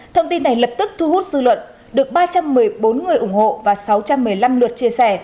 thông tin này lập tức thu hút dư luận được ba trăm một mươi bốn người ủng hộ và sáu trăm một mươi năm luật chia sẻ